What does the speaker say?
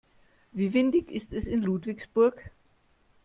Wie windig ist es in Ludwigsburg?